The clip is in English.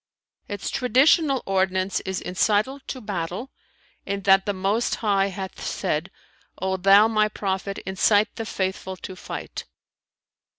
Its traditional ordinance is incital to battle, in that the Most High hath said, 'O thou my Prophet, incite the faithful to fight!'